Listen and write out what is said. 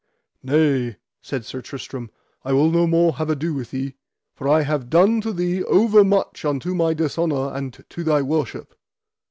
Nay, said Sir Tristram, I will no more have ado with thee, for I have done to thee over much unto my dishonour and to thy worship.